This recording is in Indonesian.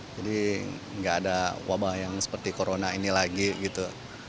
jadi nggak ada wabah yang seperti corona ini lagi gitu